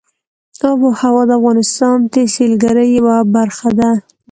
آب وهوا د افغانستان د سیلګرۍ یوه برخه ده.